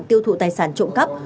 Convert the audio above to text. tiêu thụ tài sản trộm cấp